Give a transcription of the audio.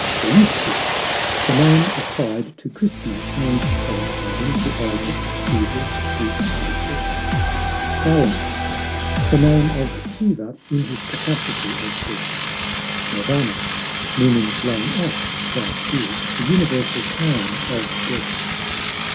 JESEUS The name applied to Christna, and correspond ing to Isis, Jesus, Zeus, &c. KALA The name of Siva in his capacity as death.. NIRVANA Meaning "blown out," that is, the universal calm of death.